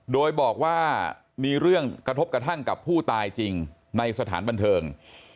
โดยบอกว่ามีเรื่องกระทบกระทั่งกับผู้ตายจริงในสถานบันเทิง